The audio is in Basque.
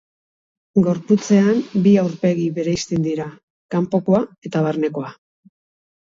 Gorputzean bi aurpegi bereizten dira: kanpokoa eta barnekoa.